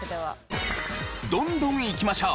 どんどんいきましょう。